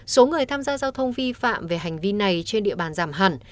số người tham gia giao thông vi phạm về hành vi này trên địa bàn giảm hẳn